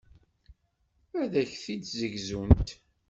Ad ak-t-id-ssegzunt.